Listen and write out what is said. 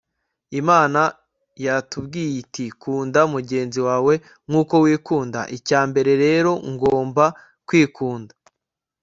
imana yatubwiye iti kunda mugenzi wawe nk'uko wikunda. icyambere rero ngomba kwikunda